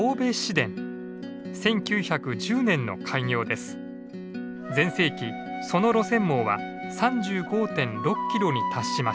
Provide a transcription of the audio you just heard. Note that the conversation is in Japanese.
全盛期その路線網は３５．６キロに達しました。